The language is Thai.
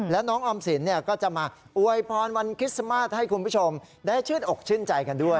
แล้วน้องออมสินก็จะมาอวยพรวันคริสต์มาสให้คุณผู้ชมได้ชื่นอกชื่นใจกันด้วย